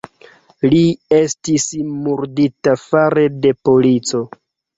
Li estis murdita fare de polico.